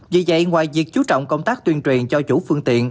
vì vậy ngoài việc chú trọng công tác tuyên truyền cho chủ phương tiện